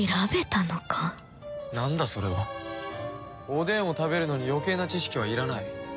おでんを食べるのに余計な知識はいらない。